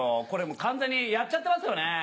これ完全にやっちゃってますよね。